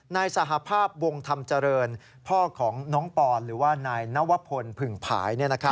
นายสหภาพวงธรรมเจริญพ่อของน้องปอนหรือว่านายนวพลผึ่งผาย